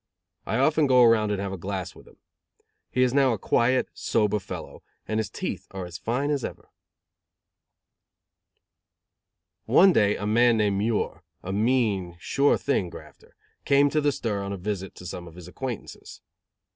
I often go around and have a glass with him. He is now a quiet, sober fellow, and his teeth are as fine as ever. One day a man named "Muir," a mean, sure thing grafter, came to the stir on a visit to some of his acquaintances.